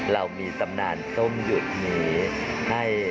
เรามีตำนานส้มหยุดนี้ให้